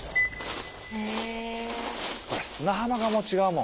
砂浜がもう違うもん。